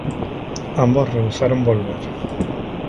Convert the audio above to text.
Ambos rehusaron volver.